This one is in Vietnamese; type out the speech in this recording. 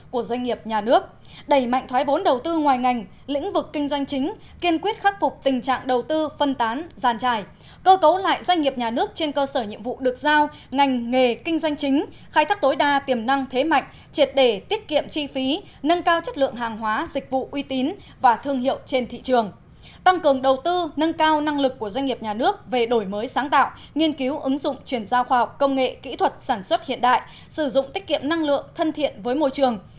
của doanh nghiệp nhà nước đẩy mạnh thoái bốn đầu tư ngoài ngành lĩnh vực kinh doanh chính kiên quyết khắc phục tình trạng đầu tư phân tán giàn trải cơ cấu lại doanh nghiệp nhà nước trên cơ sở nhiệm vụ được giao ngành nghề kinh doanh chính khai thác tối đa tiềm năng thế mạnh triệt đề tiết kiệm chi phí nâng cao chất lượng hàng hóa dịch vụ uy tín và thương hiệu trên thị trường tăng cường đầu tư nâng cao năng lực của doanh nghiệp nhà nước về đổi mới sáng tạo nghiên cứu ứng dụng chuyển giao khoa học công nghệ kỹ